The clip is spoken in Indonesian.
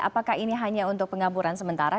apakah ini hanya untuk pengamburan sementara